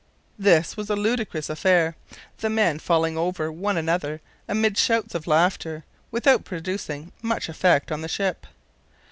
This was a ludicrous affair, the men falling over one another amid shouts of laughter without producing much effect on the ship.